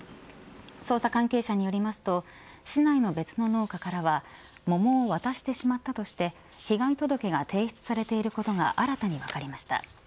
捜査関係者によりますと市内の別の農家からは桃を渡してしまったとして被害届が提出されていることが新たに分かりました。